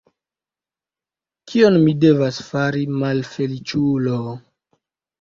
Kion mi devas fari, malfeliĉulo?